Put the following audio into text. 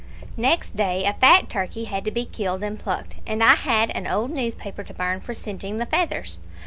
"Next day a fat turkey had to be killed and plucked, and I had an old newspaper to burn for singeing the feathers.